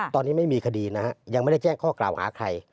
ตอนนี้ไม่มีคดีนะฮะยังไม่ได้แจ้งข้อกล่าวหาใคร